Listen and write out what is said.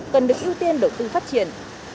cần được ưu tiên đầu tư phát triển